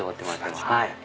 はい。